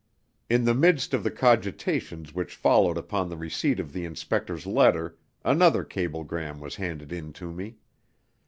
In the midst of the cogitations which followed upon the receipt of the inspector's letter another cablegram was handed in to me.